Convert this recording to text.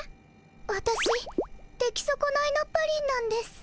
わたし出来そこないのプリンなんです。